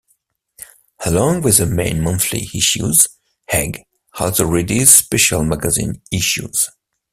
Along with the main monthly issues, "Egg" also released special magazine issues.